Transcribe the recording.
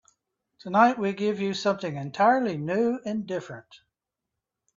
Tonight we give you something entirely new and different.